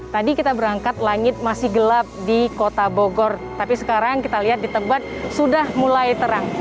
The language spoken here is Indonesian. tadi kita berangkat langit masih gelap di kota bogor tapi sekarang kita lihat di tebet sudah mulai terang